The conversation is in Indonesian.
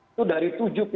itu dari tujuh